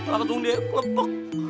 lalu dia klepek